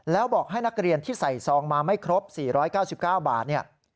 แล้วบอกให้นักเรียนที่ใส่ซองมาไม่ครบ๔๙๙บาทเนี่ย